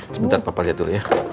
sebentar papa lihat dulu ya